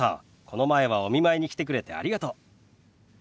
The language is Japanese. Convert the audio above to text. この前はお見舞いに来てくれてありがとう。